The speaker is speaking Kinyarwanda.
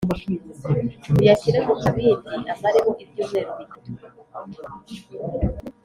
uyashyire mu kabindi, amaremo ibyumweru bitatu